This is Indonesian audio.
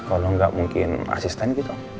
kalo enggak mungkin asisten gitu